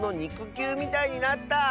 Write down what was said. きゅうみたいになった！」。